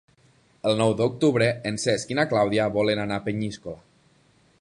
El nou d'octubre en Cesc i na Clàudia volen anar a Peníscola.